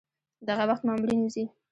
دغه وخت مامورین وځي.